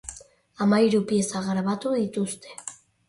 Hamahiru pieza grabatu dituzte.